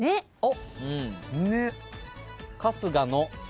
あっ！